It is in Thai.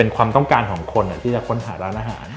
เป็นความต้องการของคนที่จะค้นหาร้านอาหาร